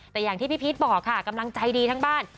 แต่อย่างที่พี่พีชบอกค่ะกำลังใจดีทั้งบ้าน